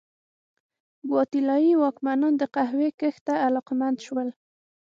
ګواتیلايي واکمنان د قهوې کښت ته علاقمند شول.